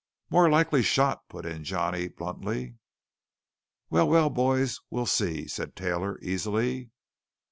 "More likely shot," put in Johnny bluntly. "Well, well, boys, we'll see," said Taylor easily.